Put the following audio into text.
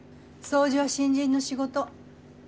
掃除は新人の仕事。